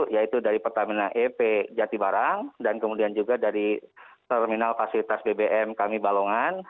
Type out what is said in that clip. yaitu dari pertamina ep jatibarang dan kemudian juga dari terminal fasilitas bbm kami balongan